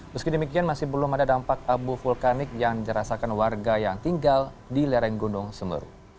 meski demikian masih belum ada dampak abu vulkanik yang dirasakan warga yang tinggal di lereng gunung semeru